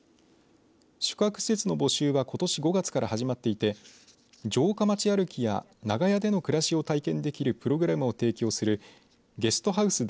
宿泊施設の募集はことし５月から始まっていて城下町歩きや長屋での暮らしを体験できるプログラムを提供するゲストハウス